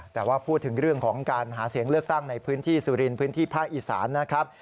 แต่ว่าพูดถึงเรื่องของการหาเสียงเลือกตั้งในพื้นที่สุรินทร์พื้นที่ภาคอีสานนะครับ